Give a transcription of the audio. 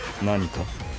何か？